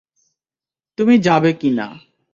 তুমি যাবে কি না!